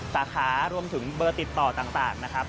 สาขารวมถึงเบอร์ติดต่อต่างนะครับ